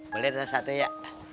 boleh ada satu ya